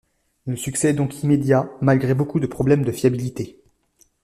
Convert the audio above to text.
Le succès est donc immédiat malgré beaucoup de problèmes de fiabilité.